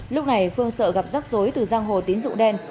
lúc này phương sợ gặp rắc rối từ giang hồ tín dụng đen